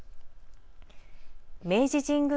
明治神宮